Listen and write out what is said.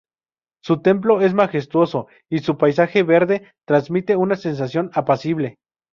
Su templo es majestuoso y su paisaje verde transmite una sensación apacible.